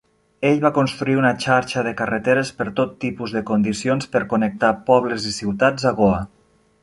Ell va construir una xarxa de carreteres per tot tipus de condicions per connectar pobles i ciutats a Goa.